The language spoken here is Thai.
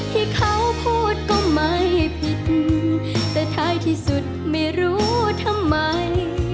ที่เขาพูดก็ไม่ผิดแต่ท้ายที่สุดไม่รู้ทำไม